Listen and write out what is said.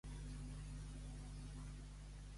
I el que et rondaré morena, si la guitarra no es trenca.